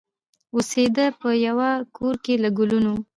اوسېده په یوه کورکي له کلونو